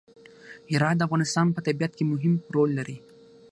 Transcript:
هرات د افغانستان په طبیعت کې مهم رول لري.